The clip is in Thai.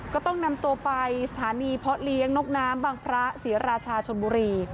ก็ต้องนำตัวไปสถานีเพาะเลี้ยงนกน้ำบางพระศรีราชาชนบุรี